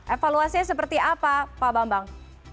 evaluasinya seperti apa pak bambang